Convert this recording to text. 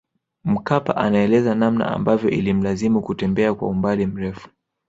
Mkapa anaeleza namna ambavyo ilimlazimu kutembea kwa umbali mrefu